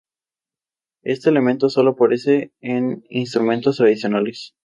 En la naturaleza se nutre principalmente de crustáceos y varios organismos bentónicos.